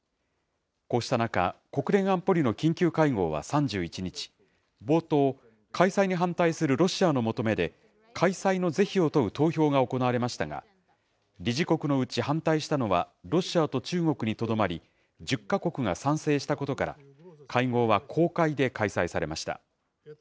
こうした中、国連安保理の緊急会合は３１日、冒頭、開催に反対するロシアの求めで、開催の是非を問う投票が行われましたが、理事国のうち反対したのはロシアと中国にとどまり、１０か国が賛成したことから、会合は公開で開催されました。